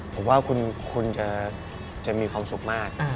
ผมว่าคุณจะมีความสุขมาก